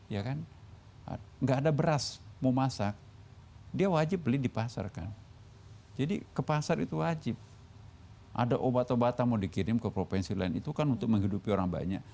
ya kan nggak ada beras mau masak dia wajib beli di pasar kan jadi ke pasar itu wajib ada obat obatan mau dikirim ke provinsi lain itu kan untuk menghidupi orang banyak